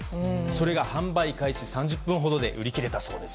それが販売開始３０分ほどで売り切れたそうです。